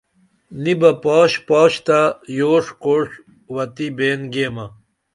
نی بہ پاش پاش تہ یوݜ کوݜ وتی بین گیمہ